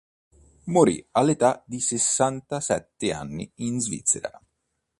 Morì all'età di sessantasette anni in Svizzera.